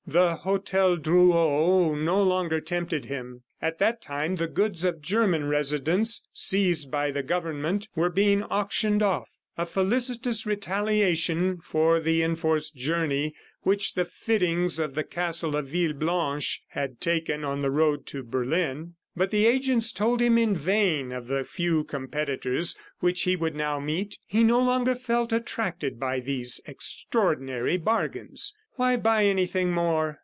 The Hotel Drouot no longer tempted him. At that time, the goods of German residents, seized by the government, were being auctioned off; a felicitous retaliation for the enforced journey which the fittings of the castle of Villeblanche had taken on the road to Berlin; but the agents told him in vain of the few competitors which he would now meet. He no longer felt attracted by these extraordinary bargains. Why buy anything more?